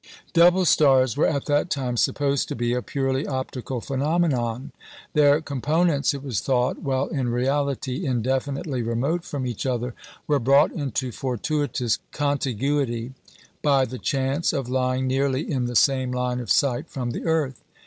Double stars were at that time supposed to be a purely optical phenomenon. Their components, it was thought, while in reality indefinitely remote from each other, were brought into fortuitous contiguity by the chance of lying nearly in the same line of sight from the earth.